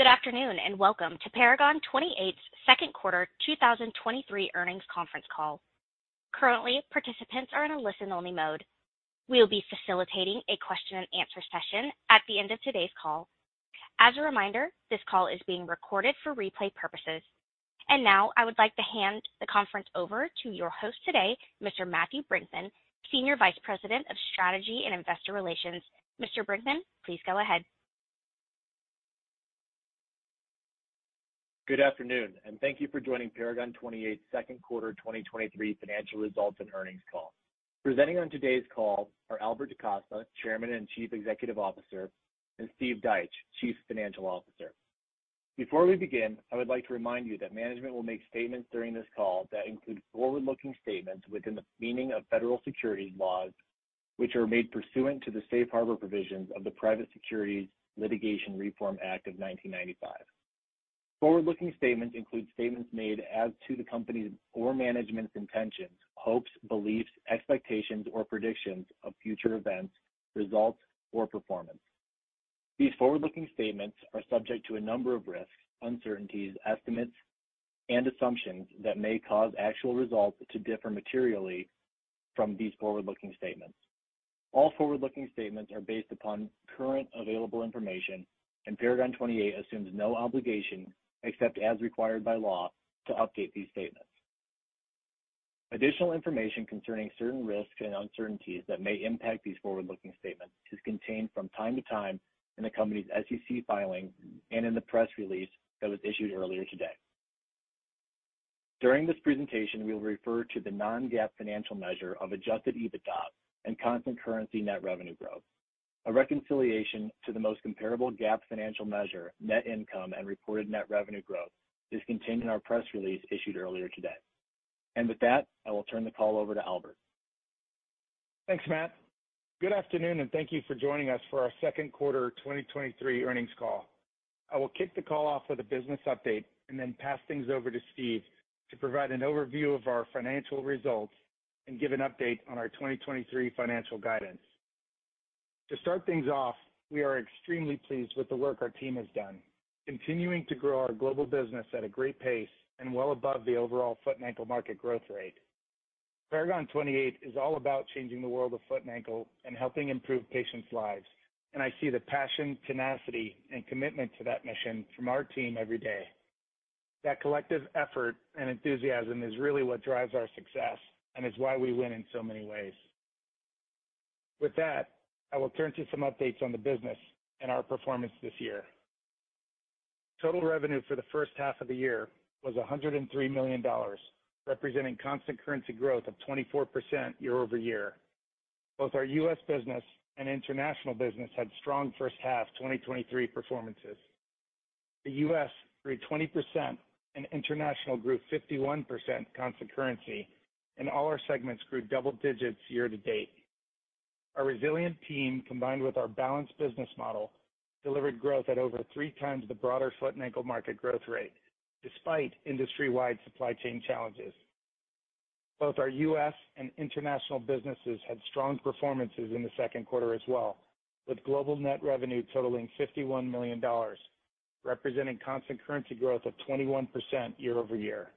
Good afternoon, and welcome to Paragon 28's second quarter 2023 earnings conference call. Currently, participants are in a listen-only mode. We will be facilitating a question-and-answer session at the end of today's call. As a reminder, this call is being recorded for replay purposes. And now, I would like to hand the conference over to your host today, Mr. Matthew Brinckman, Senior Vice President, Strategy and Investor Relations. Mr. Brinckman, please go ahead. Good afternoon, and thank you for joining Paragon 28 second quarter 2023 financial results and earnings call. Presenting on today's call are Albert DaCosta, Chairman and Chief Executive Officer, and Steve Deitsch, Chief Financial Officer. Before we begin, I would like to remind you that management will make statements during this call that include forward-looking statements within the meaning of federal securities laws, which are made pursuant to the safe harbor provisions of the Private Securities Litigation Reform Act of 1995. Forward-looking statements include statements made as to the company's or management's intentions, hopes, beliefs, expectations, or predictions of future events, results, or performance. These forward-looking statements are subject to a number of risks, uncertainties, estimates, and assumptions that may cause actual results to differ materially from these forward-looking statements. All forward-looking statements are based upon current available information. Paragon 28 assumes no obligation, except as required by law, to update these statements. Additional information concerning certain risks and uncertainties that may impact these forward-looking statements is contained from time to time in the company's SEC filings and in the press release that was issued earlier today. During this presentation, we will refer to the non-GAAP financial measure of adjusted EBITDA and constant currency net revenue growth. A reconciliation to the most comparable GAAP financial measure, net income and reported net revenue growth, is contained in our press release issued earlier today. With that, I will turn the call over to Albert. Thanks, Matt. Good afternoon, and thank you for joining us for our second quarter 2023 earnings call. I will kick the call off with a business update and then pass things over to Steve to provide an overview of our financial results and give an update on our 2023 financial guidance. To start things off, we are extremely pleased with the work our team has done, continuing to grow our global business at a great pace and well above the overall foot and ankle market growth rate. Paragon 28 is all about changing the world of foot and ankle and helping improve patients' lives, and I see the passion, tenacity, and commitment to that mission from our team every day. That collective effort and enthusiasm is really what drives our success and is why we win in so many ways. With that, I will turn to some updates on the business and our performance this year. Total revenue for the first half of the year was $103 million, representing constant currency growth of 24% year-over-year. Both our U.S. business and international business had strong first half 2023 performances. The U.S. grew 20% and international grew 51% constant currency, and all our segments grew double digits year to date. Our resilient team, combined with our balanced business model, delivered growth at over 3x the broader foot and ankle market growth rate, despite industry-wide supply chain challenges. Both our U.S. and international businesses had strong performances in the second quarter as well, with global net revenue totaling $51 million, representing constant currency growth of 21% year-over-year.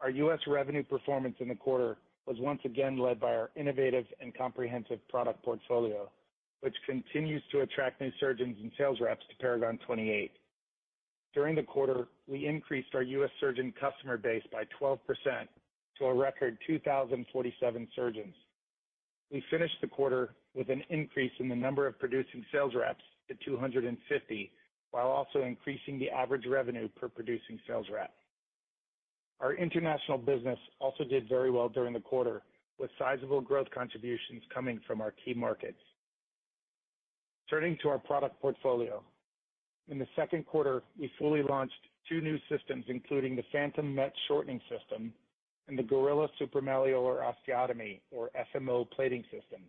Our U.S. revenue performance in the quarter was once again led by our innovative and comprehensive product portfolio, which continues to attract new surgeons and sales reps to Paragon 28. During the quarter, we increased our U.S. surgeon customer base by 12% to a record 2,047 surgeons. We finished the quarter with an increase in the number of producing sales reps to 250, while also increasing the average revenue per producing sales rep. Our international business also did very well during the quarter, with sizable growth contributions coming from our key markets. Turning to our product portfolio. In the second quarter, we fully launched two new systems, including the Phantom Met Shortening System and the Gorilla Supramalleolar Osteotomy, or SMO Plating System.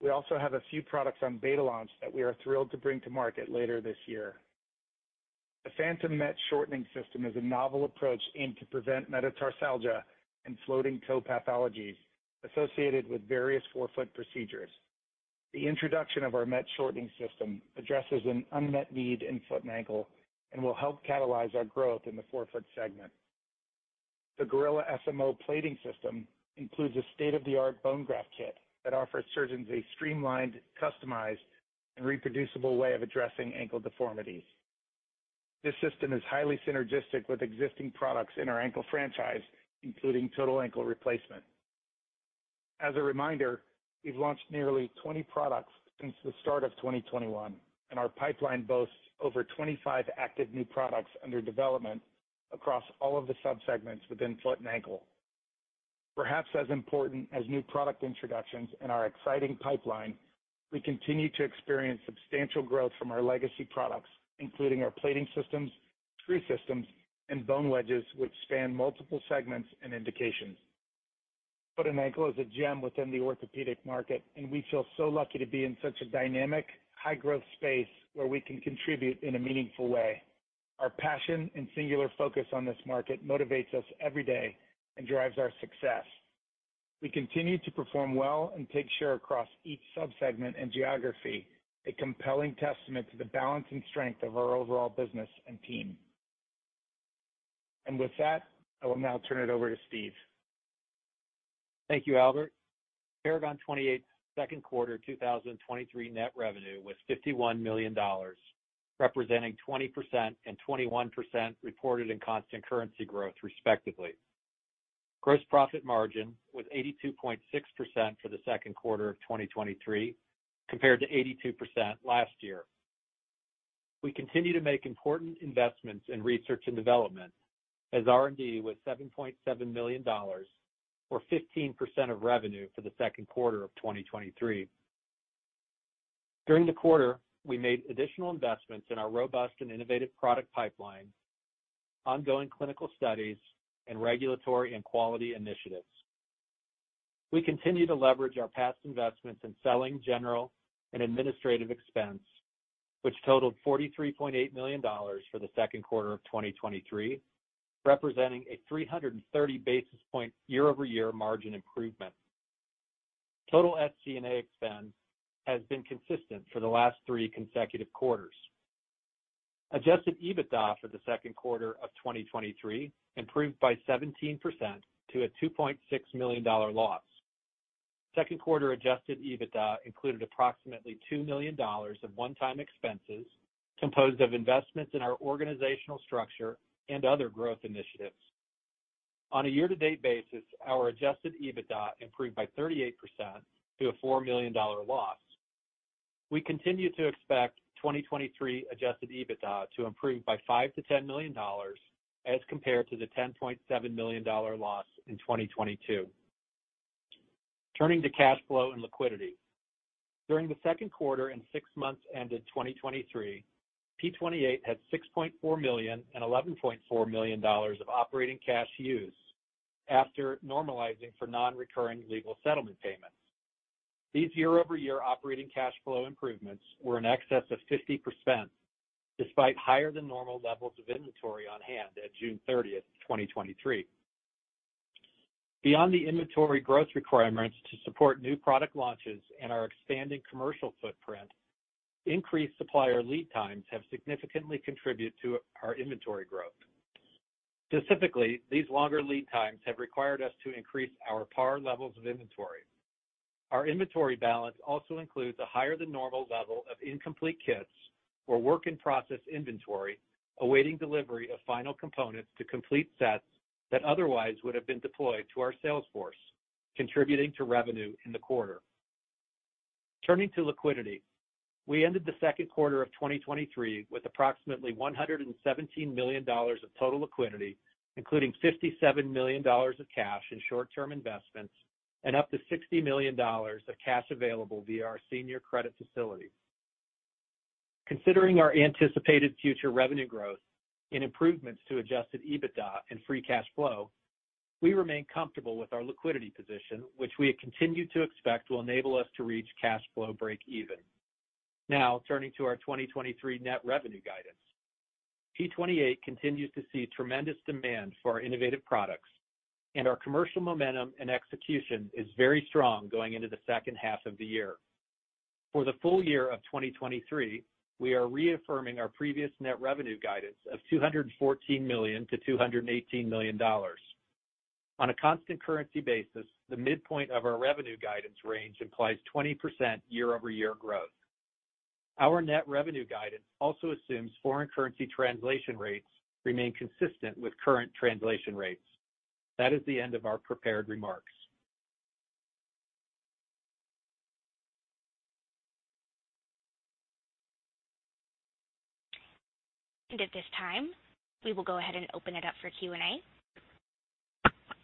We also have a few products on beta launch that we are thrilled to bring to market later this year. The Phantom Met Shortening System is a novel approach aimed to prevent metatarsalgia and floating toe pathologies associated with various forefoot procedures. The introduction of our Met Shortening System addresses an unmet need in foot and ankle and will help catalyze our growth in the forefoot segment. The Gorilla SMO Plating System includes a state-of-the-art bone graft kit that offers surgeons a streamlined, customized, and reproducible way of addressing ankle deformities. This system is highly synergistic with existing products in our ankle franchise, including total ankle replacement. As a reminder, we've launched nearly 20 products since the start of 2021, and our pipeline boasts over 25 active new products under development across all of the subsegments within foot and ankle. Perhaps as important as new product introductions and our exciting pipeline, we continue to experience substantial growth from our legacy products, including our plating systems, screw systems, and bone wedges, which span multiple segments and indications. Foot and ankle is a gem within the orthopedic market, and we feel so lucky to be in such a dynamic, high-growth space where we can contribute in a meaningful way. Our passion and singular focus on this market motivates us every day and drives our success. We continue to perform well and take share across each sub-segment and geography, a compelling testament to the balance and strength of our overall business and team. With that, I will now turn it over to Steve. Thank you, Albert. Paragon 28 second quarter 2023 net revenue was $51 million, representing 20% and 21% reported in constant currency growth, respectively. Gross profit margin was 82.6% for the second quarter of 2023, compared to 82% last year. We continue to make important investments in research and development, as R&D was $7.7 million, or 15% of revenue for the second quarter of 2023. During the quarter, we made additional investments in our robust and innovative product pipeline, ongoing clinical studies, and regulatory and quality initiatives. We continue to leverage our past investments in selling, general and administrative expense, which totaled $43.8 million for the second quarter of 2023, representing a 330 basis point year-over-year margin improvement. Total SG&A expense has been consistent for the last three consecutive quarters. Adjusted EBITDA for the second quarter of 2023 improved by 17% to a $2.6 million loss. Second quarter adjusted EBITDA included approximately $2 million of one-time expenses, composed of investments in our organizational structure and other growth initiatives. On a year-to-date basis, our adjusted EBITDA improved by 38% to a $4 million loss. We continue to expect 2023 adjusted EBITDA to improve by $5 million-$10 million as compared to the $10.7 million loss in 2022. Turning to cash flow and liquidity. During the second quarter and six months ended 2023, P28 had $6.4 million and $11.4 million of operating cash use after normalizing for non-recurring legal settlement payments. These year-over-year operating cash flow improvements were in excess of 50%, despite higher than normal levels of inventory on hand at June 30th, 2023. Beyond the inventory growth requirements to support new product launches and our expanding commercial footprint, increased supplier lead times have significantly contributed to our inventory growth. Specifically, these longer lead times have required us to increase our par levels of inventory. Our inventory balance also includes a higher than normal level of incomplete kits or work-in-process inventory, awaiting delivery of final components to complete sets that otherwise would have been deployed to our sales force, contributing to revenue in the quarter. Turning to liquidity, we ended the second quarter of 2023 with approximately $117 million of total liquidity, including $57 million of cash and short-term investments, and up to $60 million of cash available via our senior credit facility. Considering our anticipated future revenue growth and improvements to adjusted EBITDA and free cash flow, we remain comfortable with our liquidity position, which we have continued to expect will enable us to reach cash flow break even. Turning to our 2023 net revenue guidance. P28 continues to see tremendous demand for our innovative products, and our commercial momentum and execution is very strong going into the second half of the year. For the full year of 2023, we are reaffirming our previous net revenue guidance of $214 million-$218 million. On a constant currency basis, the midpoint of our revenue guidance range implies 20% year-over-year growth. Our net revenue guidance also assumes foreign currency translation rates remain consistent with current translation rates. That is the end of our prepared remarks. At this time, we will go ahead and open it up for Q&A.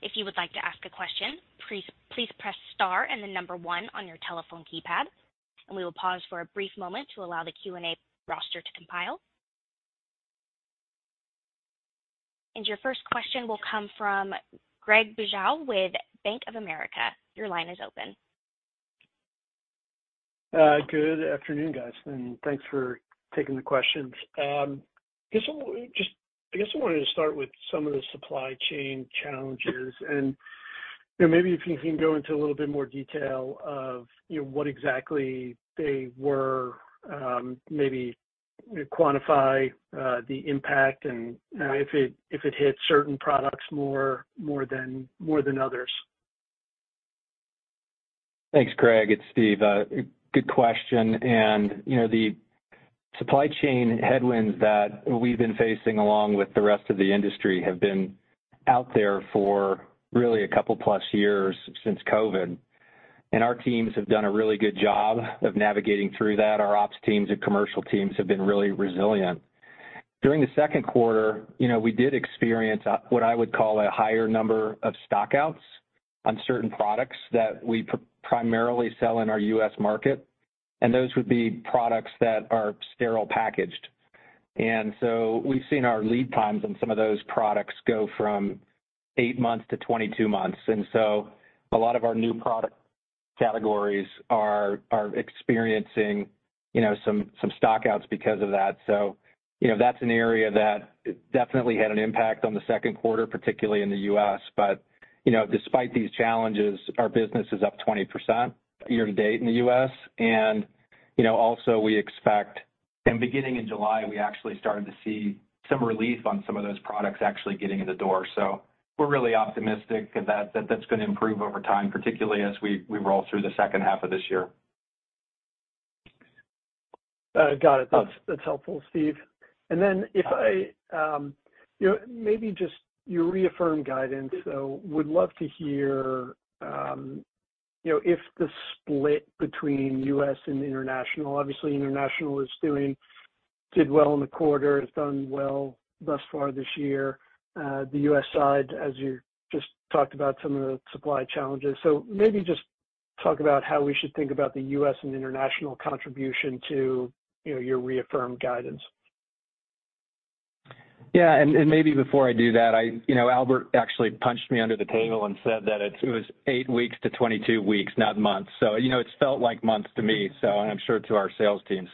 If you would like to ask a question, please, please press star and the number one on your telephone keypad, and we will pause for a brief moment to allow the Q&A roster to compile. Your first question will come from Craig Bijou with Bank of America. Your line is open. Good afternoon, guys. Thanks for taking the questions. I guess I wanted to start with some of the supply chain challenges, and, you know, maybe if you can go into a little bit more detail of, you know, what exactly they were, maybe quantify the impact and if it hit certain products more than others. Thanks, Craig. It's Steve. Good question. You know, the supply chain headwinds that we've been facing along with the rest of the industry have been out there for really a couple plus years since COVID. Our teams have done a really good job of navigating through that. Our ops teams and commercial teams have been really resilient. During the second quarter, you know, we did experience what I would call a higher number of stockouts on certain products that we primarily sell in our U.S. market, and those would be products that are sterile packaged. So we've seen our lead times on some of those products go from 8 months to 22 months. So a lot of our new product categories are experiencing, you know, some, some stockouts because of that. You know, that's an area that definitely had an impact on the second quarter, particularly in the U.S. You know, despite these challenges, our business is up 20% year-to-date in the U.S., and, you know, also we expect and beginning in July, we actually started to see some relief on some of those products actually getting in the door. We're really optimistic that that's gonna improve over time, particularly as we roll through the second half of this year. Got it. That's helpful, Steve. Then if I, you know, maybe just you reaffirmed guidance, would love to hear, you know, if the split between U.S. and international, obviously, international is doing-did well in the quarter, it's done well thus far this year. The U.S. side, as you just talked about, some of the supply challenges. Maybe just talk about how we should think about the U.S. and international contribution to, you know, your reaffirmed guidance. Yeah, maybe before I do that, I, you know, Albert actually punched me under the table and said that it was eight weeks to 22 weeks, not months. You know, it's felt like months to me, so, and I'm sure to our sales team.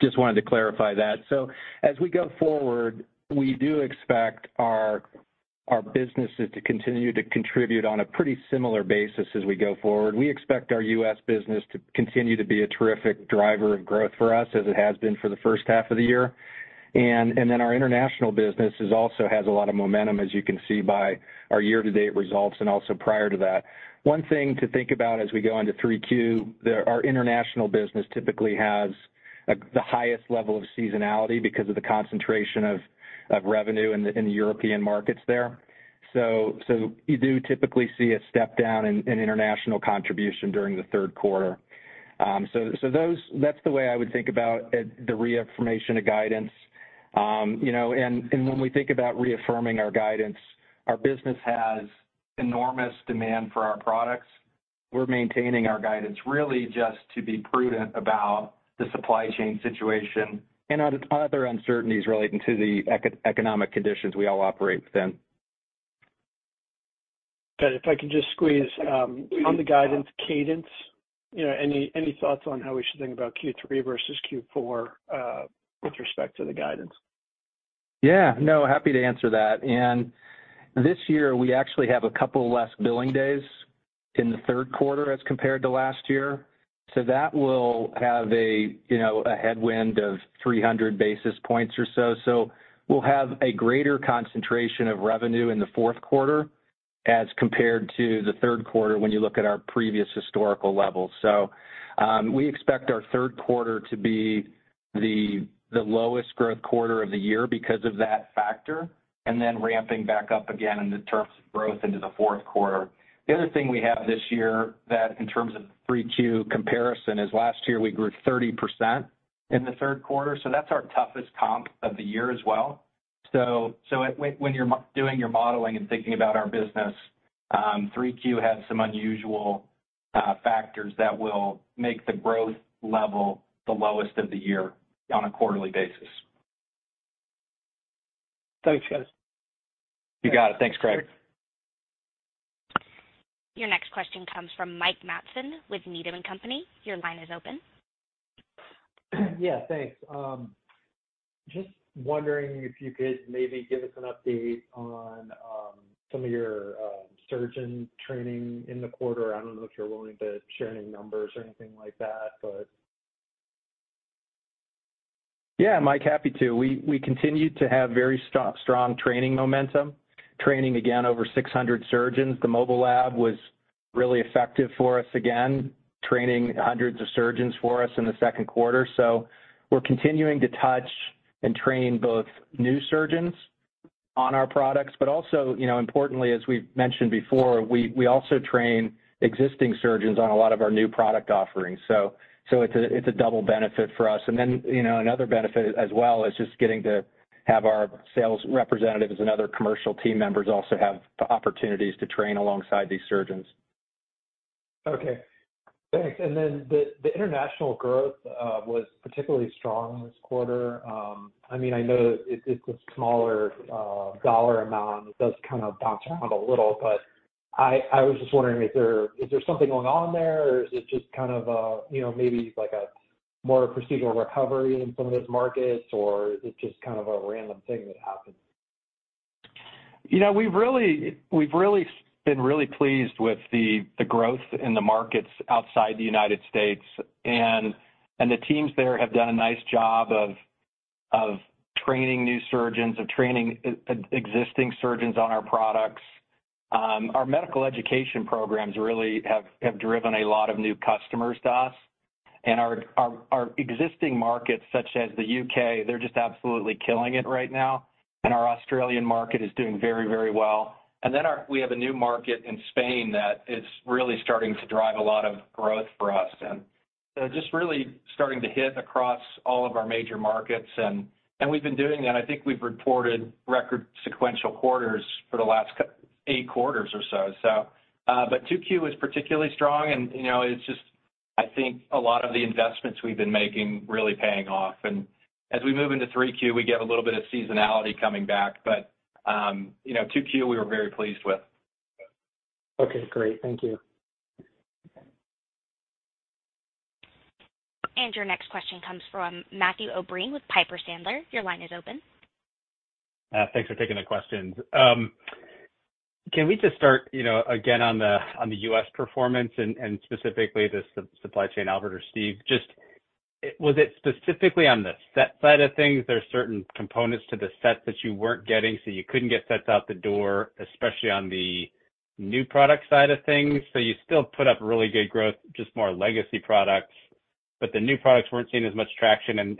Just wanted to clarify that. As we go forward, we do expect our, our businesses to continue to contribute on a pretty similar basis as we go forward. We expect our US business to continue to be a terrific driver of growth for us, as it has been for the first half of the year. Our international business is also has a lot of momentum, as you can see by our year-to-date results and also prior to that. One thing to think about as we go into 3Q, there, our international business typically has the highest level of seasonality because of the concentration of revenue in the European markets there. You do typically see a step down in international contribution during the third quarter. That's the way I would think about it, the reaffirmation of guidance. You know, when we think about reaffirming our guidance, our business has enormous demand for our products. We're maintaining our guidance really just to be prudent about the supply chain situation and other uncertainties relating to the economic conditions we all operate within. If I could just squeeze, on the guidance cadence, you know, any, any thoughts on how we should think about Q3 versus Q4, with respect to the guidance? Yeah. No, happy to answer that. This year, we actually have a couple less billing days in the third quarter as compared to last year. That will have a, you know, a headwind of 300 basis points or so. We'll have a greater concentration of revenue in the fourth quarter as compared to the third quarter when you look at our previous historical levels. We expect our third quarter to be the, the lowest growth quarter of the year because of that factor, then ramping back up again in the terms of growth into the fourth quarter. The other thing we have this year that in terms of 3Q comparison, is last year we grew 30% in the third quarter, that's our toughest comp of the year as well. When you're doing your modeling and thinking about our business, 3Q has some unusual factors that will make the growth level the lowest of the year on a quarterly basis. Thanks, guys. You got it. Thanks, Craig. Your next question comes from Mike Matson with Needham & Company. Your line is open. Yeah, thanks. Just wondering if you could maybe give us an update on some of your surgeon training in the quarter? I don't know if you're willing to share any numbers or anything like that, but... Yeah, Mike, happy to. We, we continued to have very strong, strong training momentum. Training, again, over 600 surgeons. The Mobile Lab was really effective for us, again, training hundreds of surgeons for us in the second quarter. We're continuing to touch and train both new surgeons on our products, but also, you know, importantly, as we've mentioned before, we, we also train existing surgeons on a lot of our new product offerings. So it's a, it's a double benefit for us. You know, another benefit as well is just getting to have our sales representatives and other commercial team members also have the opportunities to train alongside these surgeons. Okay, thanks. Then the, the international growth was particularly strong this quarter. I mean, I know it, it's a smaller dollar amount. It does kind of bounce around a little, but I, I was just wondering is there something going on there, or is it just kind of a, you know, maybe like a more procedural recovery in some of those markets, or is it just kind of a random thing that happened? You know, we've really, we've really been really pleased with the, the growth in the markets outside the United States. The teams there have done a nice job of, of training new surgeons, of training existing surgeons on our products. Our medical education programs really have, have driven a lot of new customers to us. Our, our, our existing markets, such as the U.K., they're just absolutely killing it right now. Our Australian market is doing very, very well. Then we have a new market in Spain that is really starting to drive a lot of growth for us, and just really starting to hit across all of our major markets. And we've been doing that. I think we've reported record sequential quarters for the last eight quarters or so. 2Q is particularly strong, and, you know, it's just... I think a lot of the investments we've been making really paying off. As we move into 3Q, we get a little bit of seasonality coming back. You know, 2Q, we were very pleased with. Okay, great. Thank you. Your next question comes from Matthew O'Brien with Piper Sandler. Your line is open. Thanks for taking the questions. Can we just start, you know, again, on the U.S. performance and specifically the supply chain, Albert or Steve? Just, was it specifically on the set side of things, there are certain components to the set that you weren't getting, so you couldn't get sets out the door, especially on the new product side of things. You still put up really good growth, just more legacy products, but the new products weren't seeing as much traction.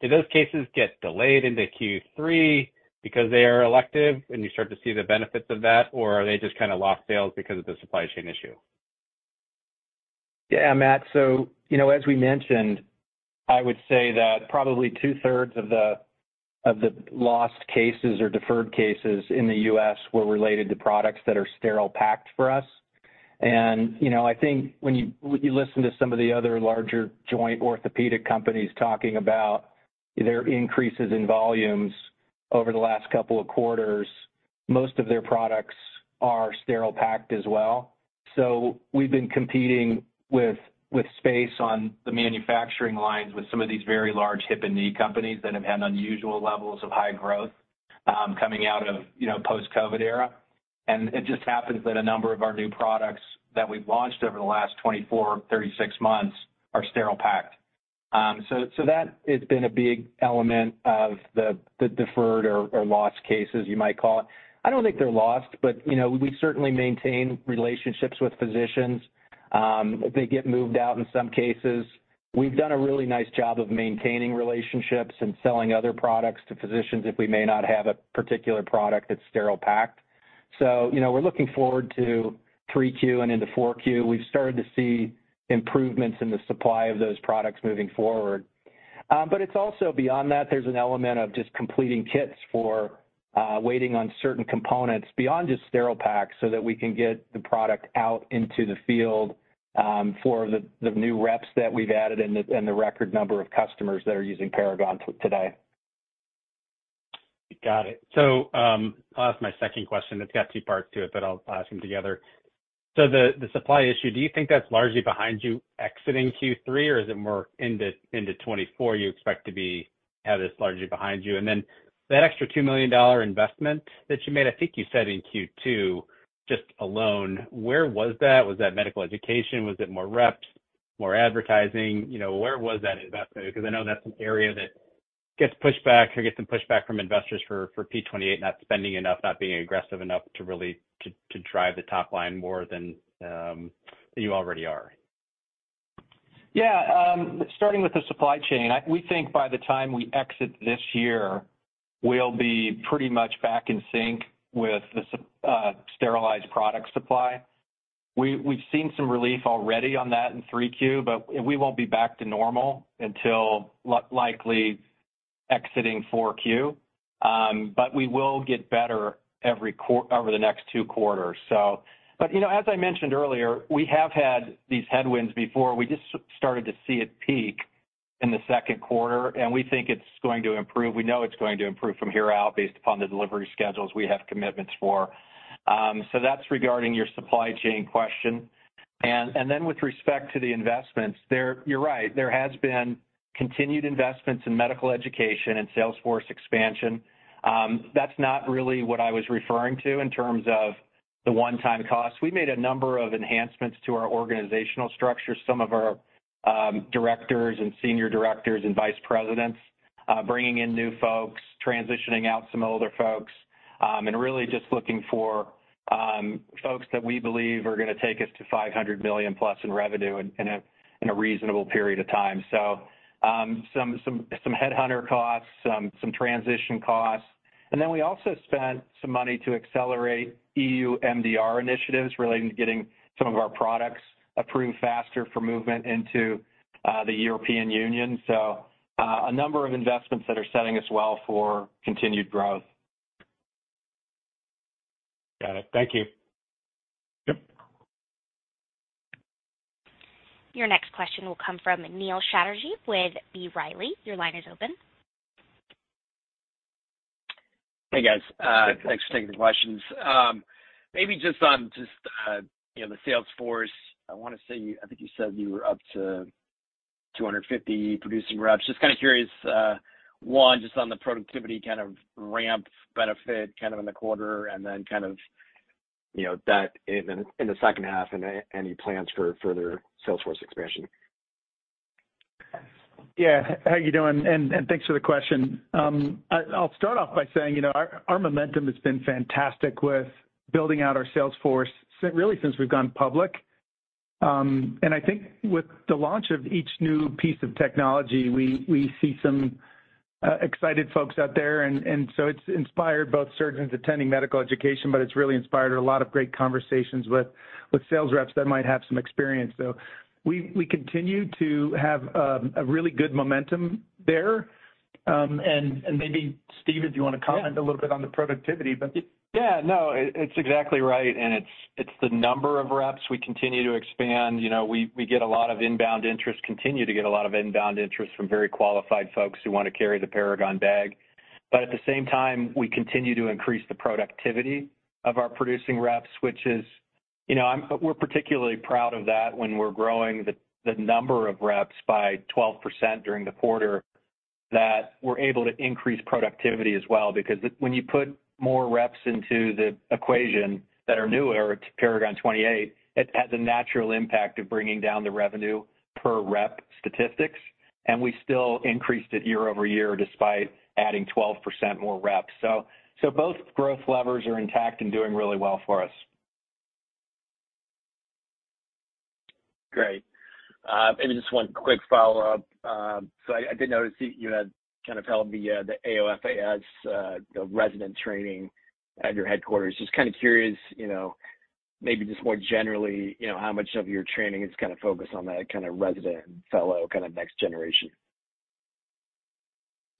Do those cases get delayed into Q3 because they are elective and you start to see the benefits of that? Are they just kind of lost sales because of the supply chain issue? Yeah, Matt. you know, as we mentioned, I would say that probably two-thirds of the, of the lost cases or deferred cases in the U.S. were related to products that are sterile packed for us. you know, I think when you, when you listen to some of the other larger joint orthopedic companies talking about their increases in volumes over the last couple of quarters, most of their products are sterile packed as well. we've been competing with, with space on the manufacturing lines, with some of these very large hip and knee companies that have had unusual levels of high growth, coming out of, you know, post-COVID era. it just happens that a number of our new products that we've launched over the last 24, 36 months are sterile packed. So, so that has been a big element of the, the deferred or, or lost cases, you might call it. I don't think they're lost, but, you know, we certainly maintain relationships with physicians. They get moved out in some cases. We've done a really nice job of maintaining relationships and selling other products to physicians if we may not have a particular product that's sterile packed. You know, we're looking forward to 3Q and into 4Q. We've started to see improvements in the supply of those products moving forward. It's also beyond that, there's an element of just completing kits for waiting on certain components beyond just sterile packs, so that we can get the product out into the field for the new reps that we've added and the record number of customers that are using Paragon today. I'll ask my second question. It's got two parts to it, but I'll ask them together. The supply issue, do you think that's largely behind you exiting Q3, or is it more into 2024, you expect to be, have this largely behind you? That extra $2 million investment that you made, I think you said in Q2, just alone, where was that? Was that medical education? Was it more reps, more advertising? You know, where was that investment? Because I know that's an area that gets pushback or gets some pushback from investors for P28 not spending enough, not being aggressive enough to really, to, to drive the top line more than you already are. Yeah, starting with the supply chain, I-- we think by the time we exit this year, we'll be pretty much back in sync with the s- sterilized product supply. We, we've seen some relief already on that in 3Q, but we won't be back to normal until li- likely exiting 4Q. We will get better every quar-- over the next two quarters. You know, as I mentioned earlier, we have had these headwinds before. We just s- started to see it peak in the second quarter, and we think it's going to improve. We know it's going to improve from here out based upon the delivery schedules we have commitments for. That's regarding your supply chain question? Then with respect to the investments, there-- you're right, there has been continued investments in medical education and salesforce expansion. That's not really what I was referring to in terms of the one-time cost. We made a number of enhancements to our organizational structure, some of our directors and senior directors and vice presidents, bringing in new folks, transitioning out some older folks, and really just looking for folks that we believe are going to take us to $500 million+ in revenue in a reasonable period of time. Some headhunter costs, transition costs. We also spent some money to accelerate EU MDR initiatives relating to getting some of our products approved faster for movement into the European Union. A number of investments that are setting us well for continued growth. Got it. Thank you. Yep. Your next question will come from Neil Chatterji with B. Riley. Your line is open. Hey, guys. thanks for taking the questions. maybe just on just, you know, the sales force. I want to say, I think you said you were up to 250 producing reps. Just kind of curious, one, just on the productivity kind of ramp benefit, kind of in the quarter, and then kind of, you know, that in the, in the second half and any plans for further sales force expansion? Yeah. How you doing? Thanks for the question. I'll start off by saying, you know, our momentum has been fantastic with building out our sales force, really, since we've gone public. I think with the launch of each new piece of technology, we see some excited folks out there. So it's inspired both surgeons attending medical education, but it's really inspired a lot of great conversations with sales reps that might have some experience. So we continue to have a really good momentum there. Maybe Steve, if you want to comment a little bit on the productivity, but- Yeah, no, it's exactly right. It's the number of reps we continue to expand. You know, we get a lot of inbound interest, continue to get a lot of inbound interest from very qualified folks who want to carry the Paragon bag. At the same time, we continue to increase the productivity of our producing reps, which is, you know, we're particularly proud of that when we're growing the number of reps by 12% during the quarter, that we're able to increase productivity as well. Because when you put more reps into the equation that are newer to Paragon 28, it has a natural impact of bringing down the revenue per rep statistics, and we still increased it year-over-year, despite adding 12% more reps. Both growth levers are intact and doing really well for us. Great. Maybe just one quick follow-up. I, I did notice that you had kind of held the AOFAS resident training at your headquarters. Just kind of curious, you know, maybe just more generally, you know, how much of your training is kind of focused on that kind of resident, fellow, kind of next generation?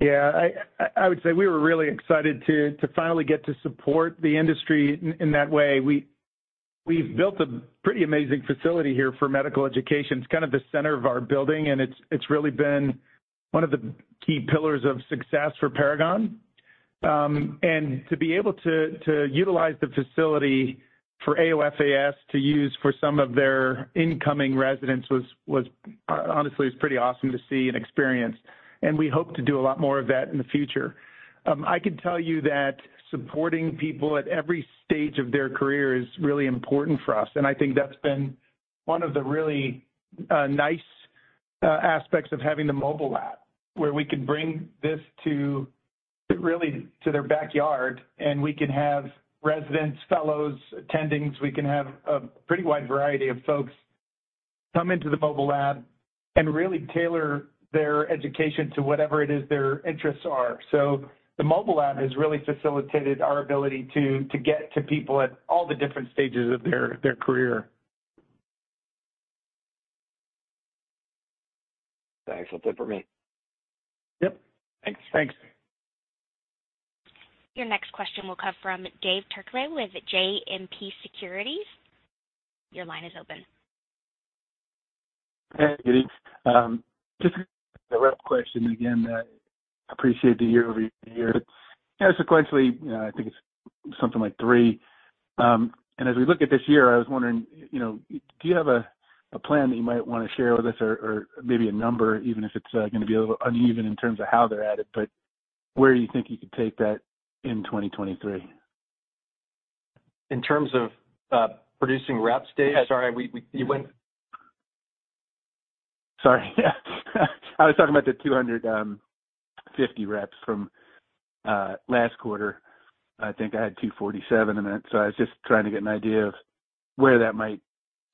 Yeah, I, I would say we were really excited to, to finally get to support the industry in, in that way. We, we've built a pretty amazing facility here for medical education. It's kind of the center of our building, and it's, it's really been one of the key pillars of success for Paragon. To be able to, to utilize the facility for AOFAS to use for some of their incoming residents was, was honestly, it was pretty awesome to see and experience, and we hope to do a lot more of that in the future. I can tell you that supporting people at every stage of their career is really important for us. I think that's been one of the really nice aspects of having the Mobile Lab, where we can bring this to really, to their backyard. We can have residents, fellows, attendings. We can have a pretty wide variety of folks come into the Mobile Lab and really tailor their education to whatever it is their interests are. The Mobile Lab has really facilitated our ability to get to people at all the different stages of their career. Thanks. That's it for me. Yep. Thanks. Thanks. Your next question will come from Dave Turkaly with JMP Securities. Your line is open. Hey, good evening. Just a rep question again. Appreciate the year-over-year. Yeah, sequentially, I think it's something like three. As we look at this year, I was wondering, you know, do you have a plan that you might want to share with us or maybe a number, even if it's going to be a little uneven in terms of how they're at it, but where you think you could take that in 2023? In terms of producing reps, Dave? Sorry, we, we, you went? Sorry. I was talking about the 250 reps from, last quarter. I think I had 247 in it, so I was just trying to get an idea of where that might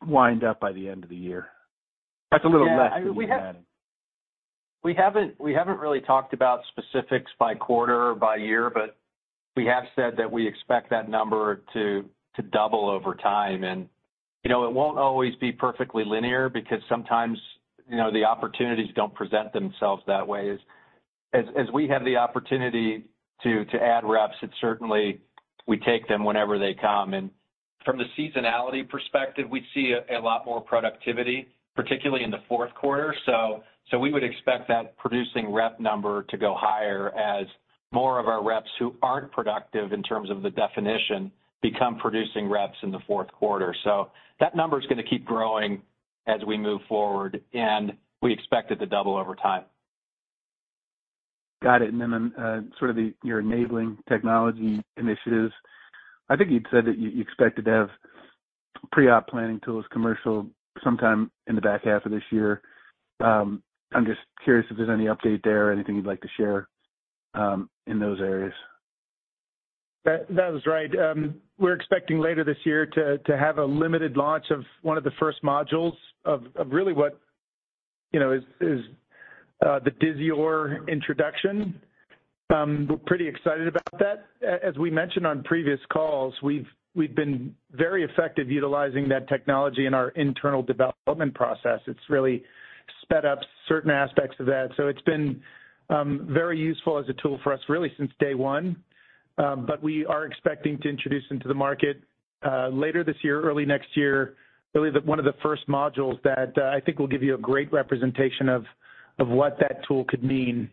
wind up by the end of the year. That's a little less than you had. Yeah, we haven't, we haven't really talked about specifics by quarter or by year, but we have said that we expect that number to, to double over time. You know, it won't always be perfectly linear because sometimes, you know, the opportunities don't present themselves that way. As, as we have the opportunity to, to add reps, it's certainly we take them whenever they come. From the seasonality perspective, we see a lot more productivity, particularly in the fourth quarter. We would expect that producing rep number to go higher as more of our reps who aren't productive in terms of the definition, become producing reps in the fourth quarter. That number is going to keep growing as we move forward, and we expect it to double over time. Got it. Then sort of the, your enabling technology initiatives. I think you'd said that you, you expected to have pre-op planning tools commercial sometime in the back half of this year. I'm just curious if there's any update there or anything you'd like to share in those areas. That, that was right. We're expecting later this year to, to have a limited launch of one of the first modules of, of really what, you know, is, is, the Disior introduction. We're pretty excited about that. As we mentioned on previous calls, we've, we've been very effective utilizing that technology in our internal development process. It's really sped up certain aspects of that. It's been very useful as a tool for us, really, since day one. We are expecting to introduce into the market, later this year, early next year, really the, one of the first modules that, I think will give you a great representation of, of what that tool could mean.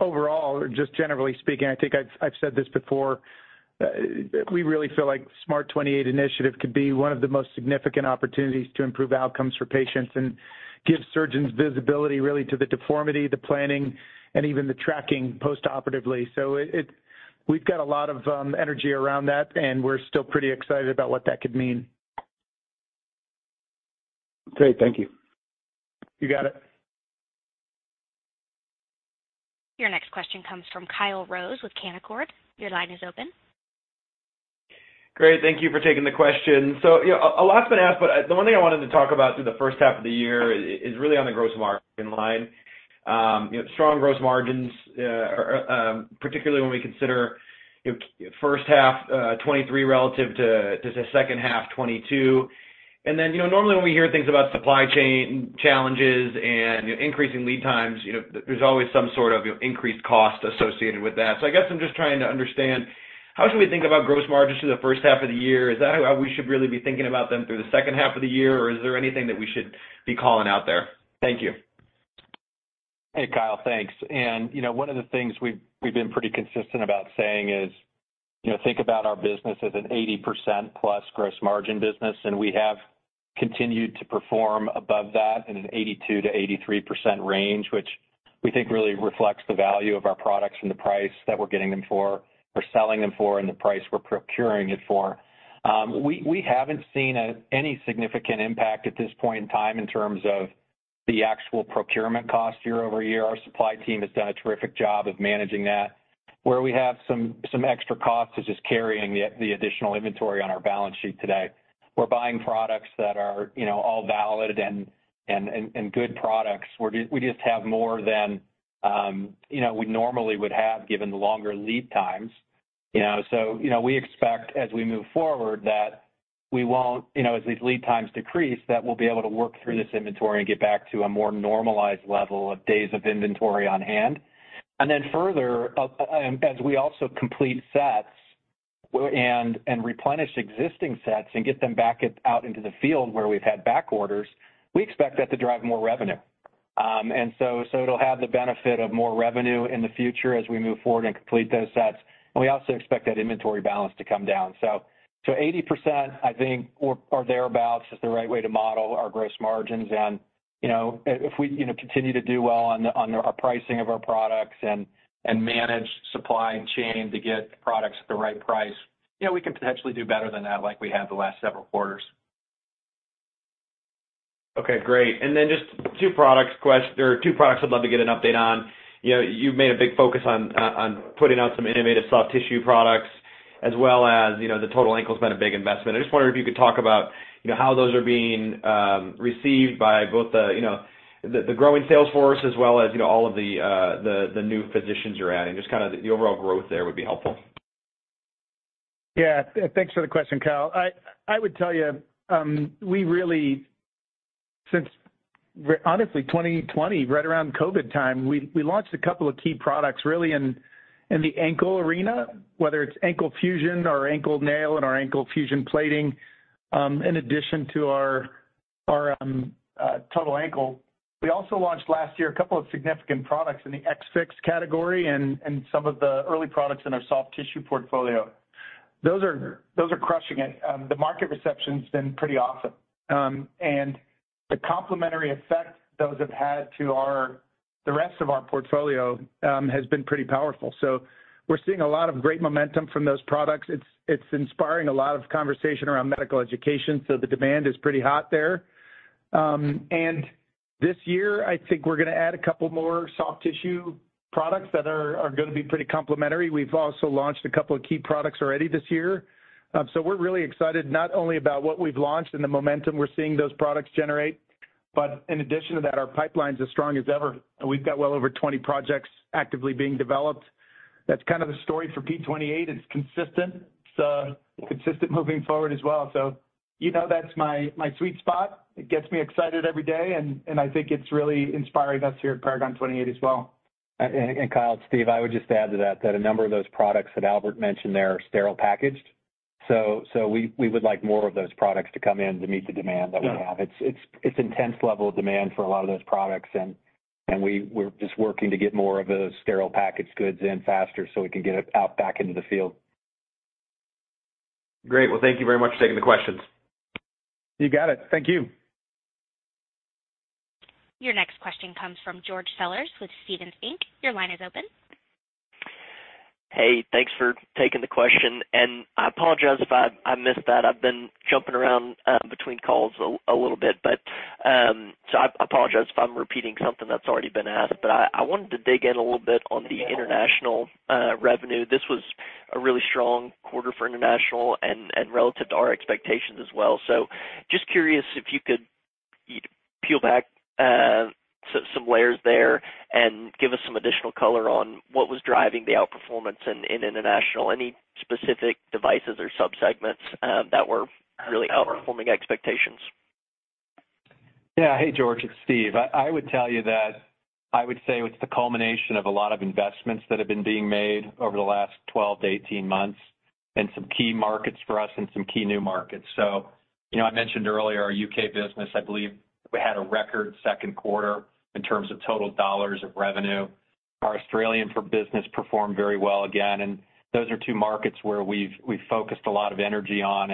Overall, just generally speaking, I think I've, I've said this before, we really feel like SMART28 initiative could be one of the most significant opportunities to improve outcomes for patients and give surgeons visibility really to the deformity, the planning, and even the tracking post-operatively. We've got a lot of energy around that, and we're still pretty excited about what that could mean. Great. Thank you. You got it. Your next question comes from Kyle Rose with Canaccord. Your line is open. Great. Thank you for taking the question. You know, a, a lot's been asked, but the one thing I wanted to talk about through the first half of the year is, is really on the gross margin line. You know, strong gross margins, particularly when we consider, you know, first half 23 relative to, to say second half 22. Then, you know, normally, when we hear things about supply chain challenges and increasing lead times, you know, there's always some sort of increased cost associated with that. I guess I'm just trying to understand, how should we think about gross margins through the first half of the year? Is that how we should really be thinking about them through the second half of the year, or is there anything that we should be calling out there? Thank you. Hey, Kyle, thanks. You know, one of the things we've, we've been pretty consistent about saying is, you know, think about our business as an 80%+ gross margin business. We have continued to perform above that in an 82%-83% range, which we think really reflects the value of our products and the price that we're getting them for, or selling them for, and the price we're procuring it for. We, we haven't seen any significant impact at this point in time in terms of the actual procurement cost year-over-year. Our supply team has done a terrific job of managing that. Where we have some, some extra costs is just carrying the, the additional inventory on our balance sheet today. We're buying products that are, you know, all valid and, and, and good products. We just have more than, you know, we normally would have given the longer lead times, you know. You know, we expect as we move forward, that we won't. You know, as these lead times decrease, that we'll be able to work through this inventory and get back to a more normalized level of days of inventory on hand. Further, as we also complete sets and replenish existing sets and get them back out into the field where we've had back orders, we expect that to drive more revenue. So it'll have the benefit of more revenue in the future as we move forward and complete those sets, and we also expect that inventory balance to come down. So 80%, I think, or thereabout, is the right way to model our gross margins. You know, if we, you know, continue to do well on, on our pricing of our products and, and manage supply and chain to get products at the right price, you know, we can potentially do better than that, like we have the last several quarters. Okay, great. Then just two products or two products I'd love to get an update on. You know, you've made a big focus on on putting out some innovative soft tissue products, as well as, you know, the total ankle has been a big investment. I just wondered if you could talk about, you know, how those are being received by both the, you know, the, the growing sales force as well as, you know, all of the, the, the new physicians you're adding. Just kind of the overall growth there would be helpful. Yeah. Thanks for the question, Kyle. I, I would tell you, we really, since, honestly, 2020, right around COVID time, we, we launched a couple of key products really in, in the ankle arena, whether it's Ankle Fusion or Ankle Nail and our Ankle Fusion Plating, in addition to our, our, Total Ankle. We also launched last year a couple of significant products in the Ex Fix category and, and some of the early products in our Soft Tissue portfolio. Those are, those are crushing it. The market reception's been pretty awesome. The complementary effect those have had to our, the rest of our portfolio, has been pretty powerful. We're seeing a lot of great momentum from those products. It's, it's inspiring a lot of conversation around medical education, so the demand is pretty hot there. This year, I think we're going to add a couple more Soft Tissue products that are, are going to be pretty complementary. We've also launched a couple of key products already this year. We're really excited not only about what we've launched and the momentum we're seeing those products generate, but in addition to that, our pipeline is as strong as ever, and we've got well over 20 projects actively being developed. That's kind of the story for P28. It's consistent, so consistent moving forward as well. You know, that's my, my sweet spot. It gets me excited every day, and, and I think it's really inspiring us here at Paragon 28 as well. Kyle, Steve, I would just add to that, that a number of those products that Albert mentioned there are sterile packaged. We would like more of those products to come in to meet the demand that we have. Yeah. It's, it's, it's intense level of demand for a lot of those products, and we're just working to get more of those sterile packaged goods in faster so we can get it out back into the field. Great. Well, thank you very much for taking the questions. You got it. Thank you. Your next question comes from George Sellers with Stephens Inc. Your line is open. Hey, thanks for taking the question, and I apologize if I, I missed that. I've been jumping around, between calls a, a little bit, but I apologize if I'm repeating something that's already been asked. I, I wanted to dig in a little bit on the international revenue. This was a really strong quarter for international and, and relative to our expectations as well. Just curious if you could peel back some, some layers there and give us some additional color on what was driving the outperformance in, in international. Any specific devices or subsegments that were really outperforming expectations? Yeah. Hey, George, it's Steve. I would tell you that I would say it's the culmination of a lot of investments that have been being made over the last 12-18 months in some key markets for us and some key new markets. You know, I mentioned earlier, our U.K. business, I believe we had a record second quarter in terms of total dollars of revenue. Our Australian for business performed very well again. Those are two markets where we've focused a lot of energy on,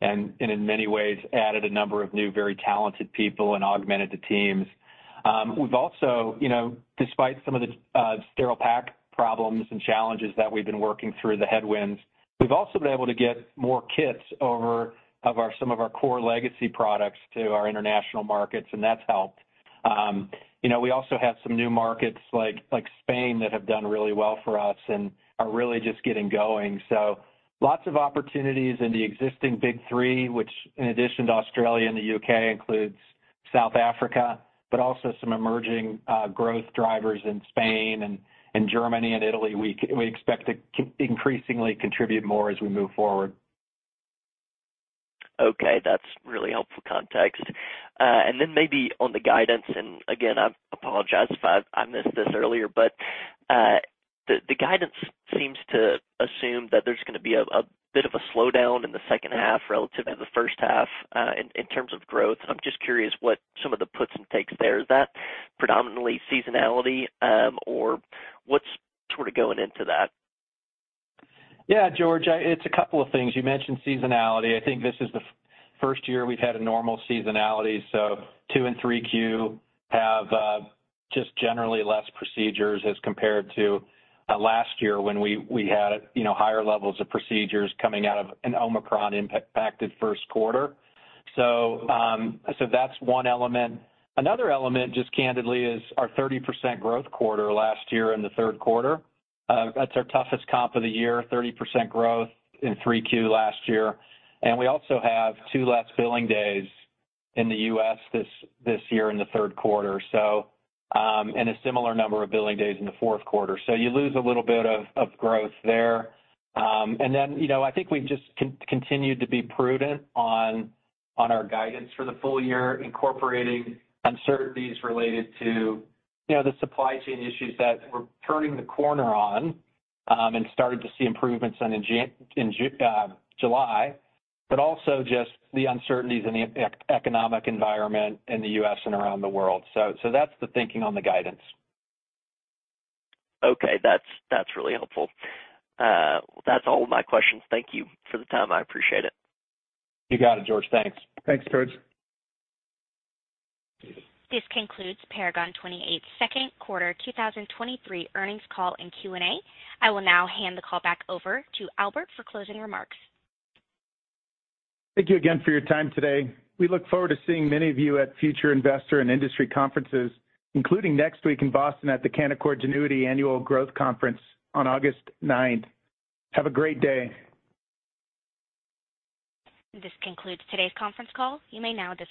and in many ways, added a number of new, very talented people and augmented the teams. We've also, you know, despite some of the sterile pack problems and challenges that we've been working through, the headwinds, we've also been able to get more kits over some of our core legacy products to our international markets, and that's helped. You know, we also have some new markets like, like Spain, that have done really well for us and are really just getting going. Lots of opportunities in the existing big three, which in addition to Australia and the U.K., includes South Africa, but also some emerging growth drivers in Spain, and Germany, and Italy, we expect to increasingly contribute more as we move forward. Okay, that's really helpful context. Then maybe on the guidance, again, I apologize if I missed this earlier, but the guidance seems to assume that there's gonna be a bit of a slowdown in the second half relative to the first half, in terms of growth. I'm just curious what some of the puts and takes there. Is that predominantly seasonality, or what's sort of going into that? Yeah, George, it's a couple of things. You mentioned seasonality. I think this is the first year we've had a normal seasonality. 2Q and 3Q have just generally less procedures as compared to last year when we, we had, you know, higher levels of procedures coming out of an Omicron-impacted first quarter. So that's one element. Another element, just candidly, is our 30% growth quarter last year in the third quarter. That's our toughest comp of the year, 30% growth in 3Q last year. We also have two less billing days in the US this, this year in the third quarter, so and a similar number of billing days in the fourth quarter. You lose a little bit of, of growth there. you know, I think we've just continued to be prudent on, on our guidance for the full year, incorporating uncertainties related to, you know, the supply chain issues that we're turning the corner on, and starting to see improvements in July, but also just the uncertainties in the economic environment in the U.S. and around the world. That's the thinking on the guidance. Okay. That's, that's really helpful. That's all my questions. Thank you for the time. I appreciate it. You got it, George. Thanks. Thanks, George. This concludes Paragon 28's second quarter 2023 earnings call and Q&A. I will now hand the call back over to Albert for closing remarks. Thank you again for your time today. We look forward to seeing many of you at future investor and industry conferences, including next week in Boston at the Canaccord Genuity Annual Growth Conference on August 9th. Have a great day. This concludes today's conference call. You may now disconnect.